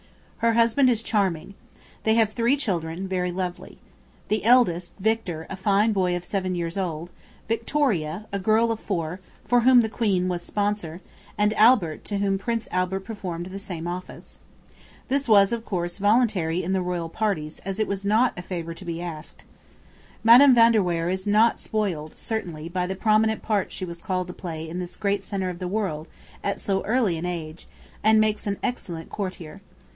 Her husband is charming. ... They have three children, very lovely. The eldest, Victor, a fine boy of seven years old, Victoria, a girl of four, for whom the Queen was sponsor, and Albert, to whom Prince Albert performed the same office. This was, of course, voluntary in the royal parties, as it was not a favor to be asked. ... Madam Van de Weyer is not spoiled, certainly, by the prominent part she was called to play in this great centre of the world at so early an age, and makes an excellent courtier.